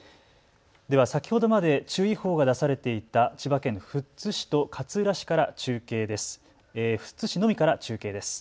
では先ほどまで注意報が出されていた千葉県富津市から中継です。